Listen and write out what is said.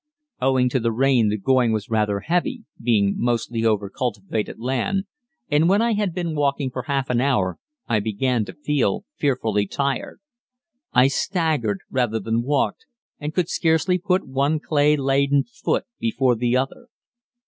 Owing to the rain the going was rather heavy, being mostly over cultivated land, and when I had been walking for half an hour I began to feel fearfully tired. I staggered rather than walked, and could scarcely put one clay laden foot before the other.